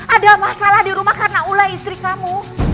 ada masalah di rumah karena ulah istri kamu